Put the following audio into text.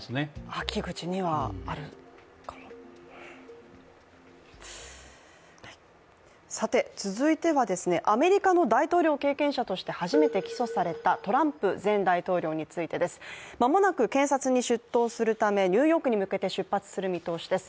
秋口にはあるかも続いては、アメリカの大統領経験者として初めて起訴されたトランプ前大統領についてです。まもなく検察に出頭するためニューヨークに向けて出発する見通しです。